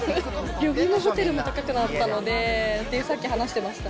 旅費もホテルも高くなったので、さっき話してました。